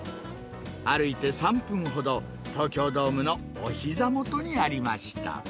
歩いて３分ほど、東京ドームのおひざ元にありました。